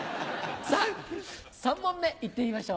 さぁ３問目いってみましょう。